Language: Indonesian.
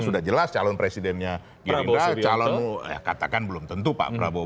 sudah jelas calon presidennya gerindra calonmu katakan belum tentu pak prabowo